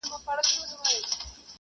حکومتونه د خلګو په رايه ټاکل کېږي.